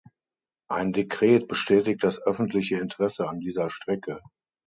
Ein Dekret bestätigt das öffentliche Interesse an dieser Strecke.